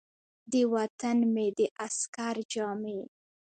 د وطن مې د عسکر جامې ،